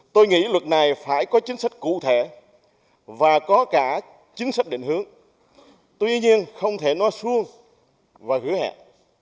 tôi nghĩ luật này phải có chính sách cụ thể và có cả chính sách định hướng tuy nhiên không thể nói xuông và hứa hẹn